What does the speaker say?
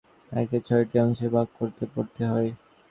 সৃজনশীল প্রশ্নে ভালো করতে হলে একে ছয়টি অংশে ভাগ করে পড়তে হয়।